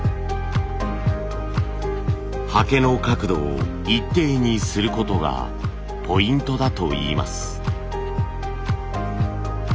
はけの角度を一定にすることがポイントだといいます。